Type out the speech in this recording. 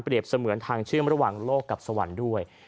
เสมือนทางเชื่อมระหว่างโลกกับสวรรค์ด้วย